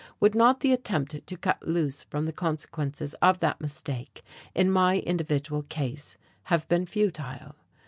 Would not the attempt to cut loose from the consequences of that mistake in my individual case have been futile?